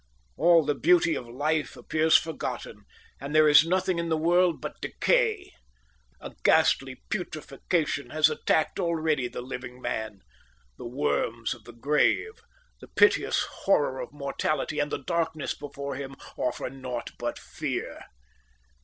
All the beauty of life appears forgotten, and there is nothing in the world but decay. A ghastly putrefaction has attacked already the living man; the worms of the grave, the piteous horror of mortality, and the darkness before him offer naught but fear.